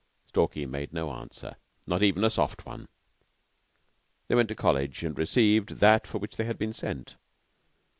Stalky made no answer not even a soft one. They went to College and received that for which they had been sent.